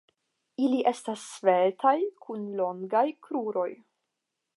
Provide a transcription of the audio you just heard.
Ili estas sveltaj, kun longaj kruroj.